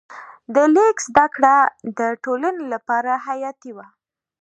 د لیک زده کړه د ټولنې لپاره حیاتي وه.